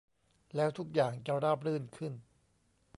แล้วทุกอย่างจะราบรื่นขึ้น